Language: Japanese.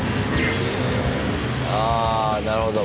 あなるほど。